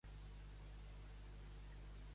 Només resta l'antiga mesquita.